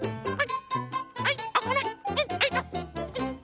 はい。